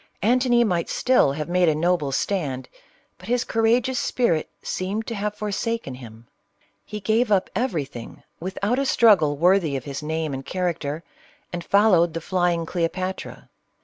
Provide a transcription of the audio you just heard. Antony might still have made a noble stand, but his courageous spirit seemed to have for saken him. He gave up everything without a strug gle worthy of his name and character, and followed the flying Cleopatra.